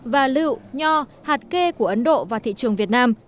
và lựu nho hạt kê của ấn độ vào thị trường việt nam